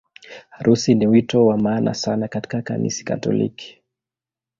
Harusi ni wito wa maana sana katika Kanisa Katoliki.